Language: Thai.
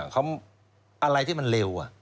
เขาอะไรที่มันเร็ว